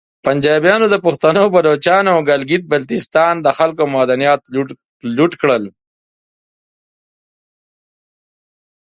پنجابیانو د پختنو، بلوچانو او ګلګیت بلتیستان د خلکو معدنیات لوټ کړل